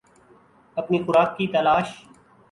اپنی خوراک کی تلاش